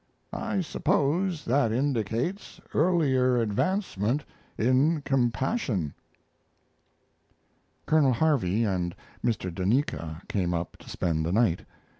I suppose that indicates earlier advancement in compassion." Colonel Harvey and Mr. Duneka came up to spend the night.